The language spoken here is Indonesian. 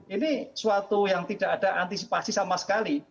ini suatu yang tidak ada antisipasi sama sekali